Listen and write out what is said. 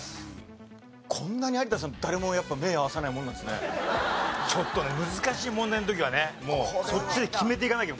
こんなに有田さん。ちょっとね難しい問題の時はそっちで決めていかなきゃ。